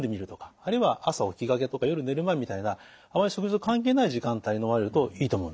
あるいは朝起きがけとか夜寝る前みたいなあまり食事と関係ない時間帯にのまれるといいと思うんですね。